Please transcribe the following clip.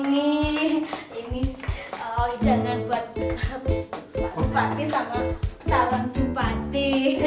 calon ibu bupati